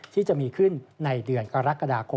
ที่จะมีขึ้นในเดือนกรกฎาคม